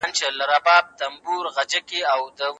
مهرباني وکړئ خپلې روغتیا ته هم پام کوئ.